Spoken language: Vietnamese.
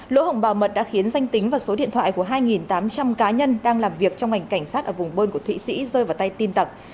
lỗ hồng bảo mật đã khiến danh tính và số điện thoại của hai tám trăm linh cá nhân đang làm việc trong ngành cảnh sát ở vùng bơn của thụy sĩ rơi vào tay tin tặc